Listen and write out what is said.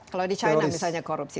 kalau di china misalnya korupsi